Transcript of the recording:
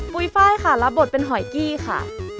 ปุ๊ยฟ่ายรับบทเป็นหอยกี้ค่ะ